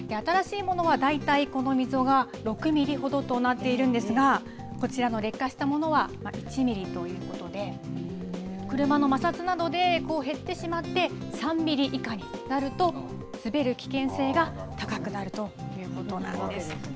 新しいものは、だいたいこの溝が６ミリほどとなっているんですがこちらの劣化したものは１ミリということで車の摩擦などで減ってしまって３ミリ以下になると滑る危険性が高くなるということなんです。